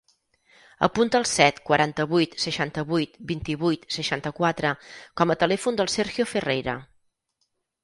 Apunta el set, quaranta-vuit, seixanta-vuit, vint-i-vuit, seixanta-quatre com a telèfon del Sergio Ferreira.